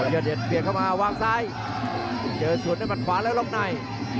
ยอดเดชน์เปลี่ยนเข้ามาวางซ้ายเจอสวนให้มันขวาแล้วลงใน